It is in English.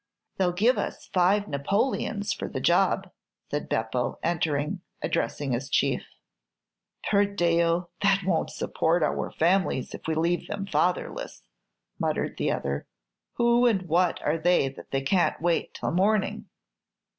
"They'll give us five Napoleons for the job," said Beppo, entering, and addressing his Chief. "Per Dio, that won't support our families if we leave them fatherless," muttered the other. "Who and what are they that can't wait till morning?"